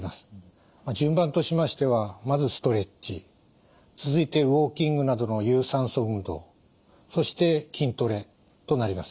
順番としましてはまずストレッチ続いてウォーキングなどの有酸素運動そして筋トレとなります。